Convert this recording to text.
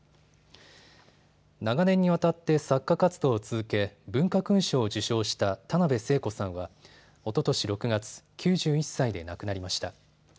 長年にわたって作家活動を続け文化勲章を受章した田辺聖子さんはおととし６月、９１歳で亡くなりました。